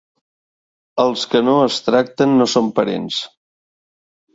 Els que no es tracten no són parents.